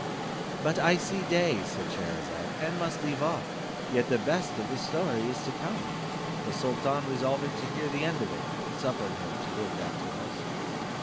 "But I see day," said Scheherazade, "and must leave off; yet the best of the story is to come." The sultan resolving to hear the end of it, suffered her to live that day also.